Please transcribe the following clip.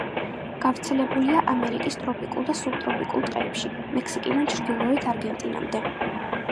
გავრცელებულია ამერიკის ტროპიკულ და სუბტროპიკულ ტყეებში, მექსიკიდან ჩრდილოეთ არგენტინამდე.